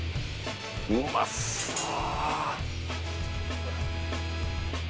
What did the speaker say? うまそう。